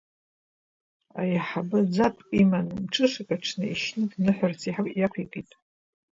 Аиҳабы ӡатәк иман, мҽышак аҽны ишьны дныҳәарацы иақәикит.